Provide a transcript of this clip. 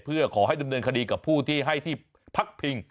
เพื่อขอให้ดำเนินคดีกับผู้ที่ให้ที่พักพิง